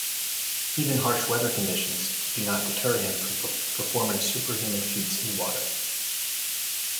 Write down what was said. Even harsh weather conditions do not deter him from performing superhuman feats in water.